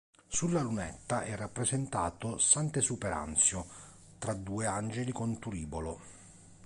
Sulla lunetta è rappresentato "Sant'Esuperanzio tra due angeli con turibolo".